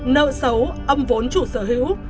nợ xấu âm vốn chủ sở hữu